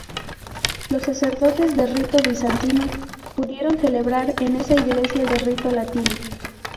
Los sacerdotes de rito bizantino pudieron celebrar en esa iglesia de rito latino.